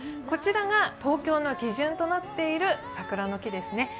こちらが東京の基準となっている桜の木ですね。